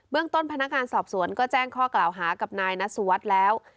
เบื้องต้นพนักงานสอบสวนก็แจ้งข้อกล่าวหากับนายนัสวัสแล้ว